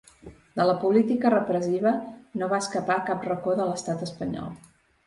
De la política repressiva no va escapar cap racó de l’estat espanyol.